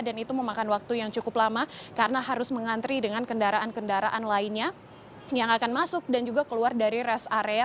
dan itu memakan waktu yang cukup lama karena harus mengantri dengan kendaraan kendaraan lainnya yang akan masuk dan juga keluar dari rest area